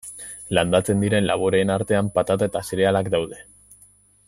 Landatzen diren laboreen artean, patata eta zerealak daude.